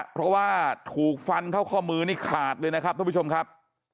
เพราะว่าถูกฟันเข้าข้อมือนี่ขาดเลยนะครับท่านผู้ชมครับ